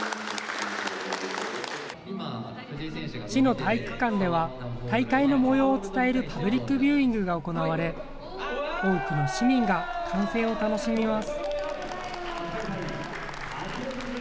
市の体育館では、大会のもようを伝えるパブリックビューイングが行われ、多くの市民が観戦を楽しみます。